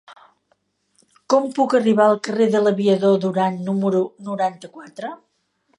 Com puc arribar al carrer de l'Aviador Durán número noranta-quatre?